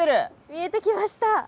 見えてきました。